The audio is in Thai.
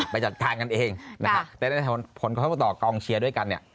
ไปจัดการกันเองแต่ถ้าผลข้อมูลต่อกองเชียร์ด้วยกัน